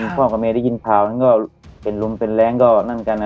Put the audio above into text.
พอเขาเขากลัวเมษย์ได้ยินข่าวนั้นก็เป็นรุมเป็นแรงก็นั่งกันนะ